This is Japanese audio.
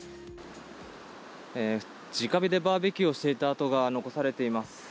直火でバーベキューをしていた跡が残されています。